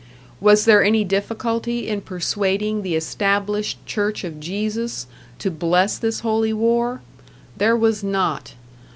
Was there any difficulty in persuading the established church of Jesus to bless this holy war? There was not!